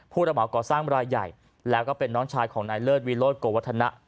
ระเหมาก่อสร้างรายใหญ่แล้วก็เป็นน้องชายของนายเลิศวิโรธโกวัฒนะ